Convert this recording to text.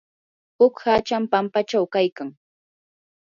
huk hacham pampachaw kaykan.